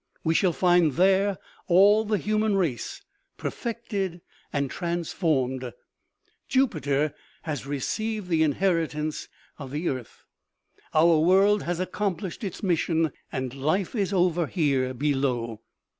" We shall find there all the human race, per fected and transformed. Jupiter has received the inheri tance of the earth. Our world has accomplished its mis sion, and life is over here below.